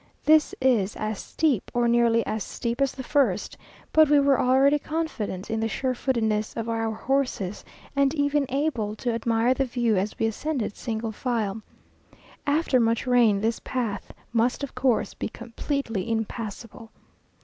This is as steep, or nearly as steep as the first; but we were already confident in the sure footedness of our horses, and even able to admire the view as we ascended single file. After much rain, this path must of course be completely impassable.